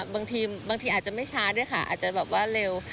บางทีอาจจะไม่ช้าด้วยค่ะอาจจะแบบว่าเร็ว